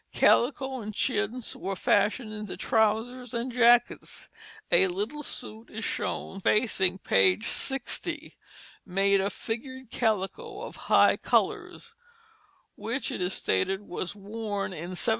Calico and chintz were fashioned into trousers and jackets. A little suit is shown, facing page 60, made of figured calico of high colors, which it is stated was worn in 1784.